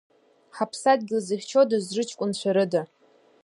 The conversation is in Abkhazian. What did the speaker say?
Ҳаԥсадгьыл зыхьчодаз рыҷкәынцәа рыда?!